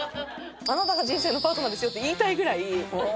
あなたが人生のパートナーですよって言いたいぐらい。